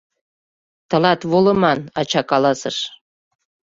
— Тылат волыман, — ача каласыш.